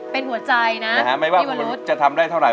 เป็นหัวใจนะพี่วรุษนะคะพี่วรุษนะฮะไม่ว่าคุณวรุษจะทำได้เท่าไร